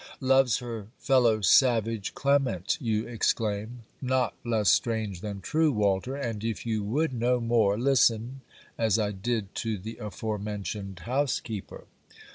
Loves her fellow savage Clement! you exclaim. Not less strange than true, Walter; and, if you would know more, listen as I did to the aforementioned housekeeper.